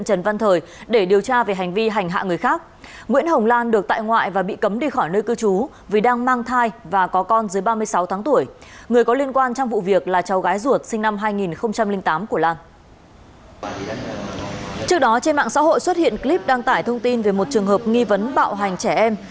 trước đó trên mạng xã hội xuất hiện clip đăng tải thông tin về một trường hợp nghi vấn bạo hành trẻ em